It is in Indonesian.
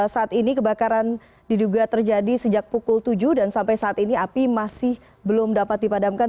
saat ini kebakaran diduga terjadi sejak pukul tujuh dan sampai saat ini api masih belum dapat dipadamkan